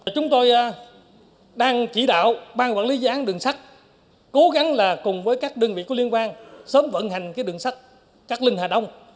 chúng tôi đang chỉ đạo bang quản lý dự án đường sắt cố gắng cùng với các đơn vị liên quan sớm vận hành đường sắt các linh hà đông